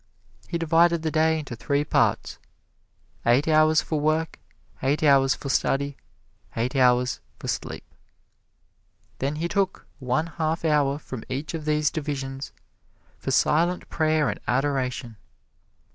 He divided the day into three parts eight hours for work, eight hours for study, eight hours for sleep. Then he took one half hour from each of these divisions for silent prayer and adoration.